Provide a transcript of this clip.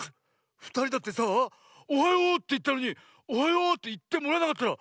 ふたりだってさあ「おはよう」っていったのに「おはよう」っていってもらえなかったらこんなさみしいことってないよね？